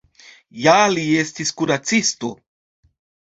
Ja li estis kuracisto.